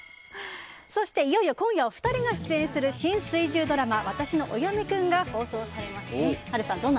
そして、いよいよ今夜お二人が出演する新水１０ドラマ「わたしのお嫁くん」が放送されますね。